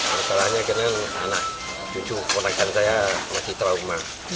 masalahnya karena anak cucu keponakan saya masih trauma